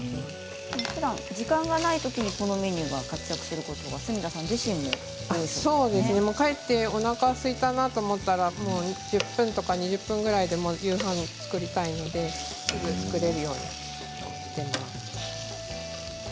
ふだん時間がないときにこのメニューが活躍することは帰っておなかがすいたなと思ったら１０分とか２０分ぐらいで夕飯を作りたいのですぐ作れるようになっています。